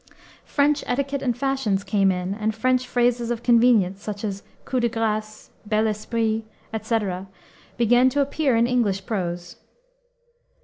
French etiquette and fashions came in and French phrases of convenience such as coup de grace, bel esprit, etc. began to appear in English prose.